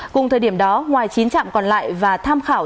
cùng thời điểm đó ngoài chín trạm còn lại và tham khảo